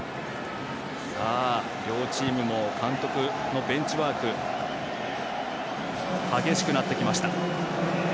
両チームも監督のベンチワーク激しくなってきました。